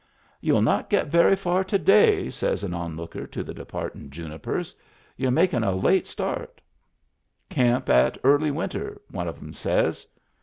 " Youll not get very far to day,*' says an on looker to the departin' junipers. " You're makin' a late start." "Camp at Early Winter," one of 'em says.